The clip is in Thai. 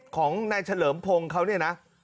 ของนายเฉลิมพงศ์เขาเนี่ยนะ